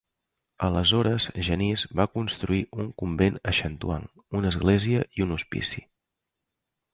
Aleshores, Genís va construir un convent a Chantoin, una església i un hospici.